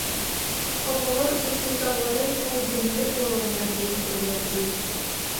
Оҕолор учууталларын майгынныыр буолаллар диэн этэллэр дии